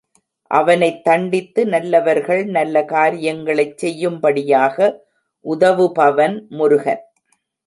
அவனைத் தண்டித்து நல்லவர்கள் நல்ல காரியங்களைச் செய்யும்படியாக உதவுபவன் முருகன்.